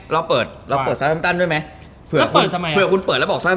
เราเปิดเราเปิดด้วยไหมถ้าเปิดทำไมถ้าเผื่อคุณเปิดแล้วบอก